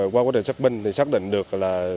qua quá trình xác minh xác định được là